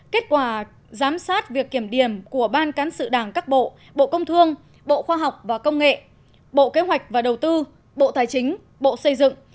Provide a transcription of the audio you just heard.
kết quả giám sát việc kiểm điểm của ban cán sự đảng các bộ bộ công thương bộ khoa học và công nghệ bộ kế hoạch và đầu tư bộ tài chính bộ xây dựng